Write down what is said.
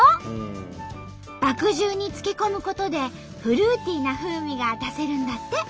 麦汁に漬け込むことでフルーティーな風味が出せるんだって。